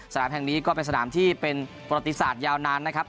แห่งนี้ก็เป็นสนามที่เป็นประติศาสตร์ยาวนานนะครับ